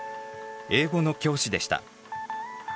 英語の教師でした。